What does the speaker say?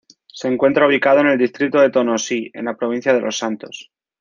Se encuentra ubicado en el distrito de Tonosí en la provincia de Los Santos.